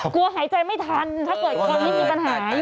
กลัวหายใจไม่ทันถ้าเกิดคนไม่มีปัญหา